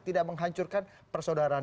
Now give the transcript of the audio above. tidak menghancurkan persaudaraan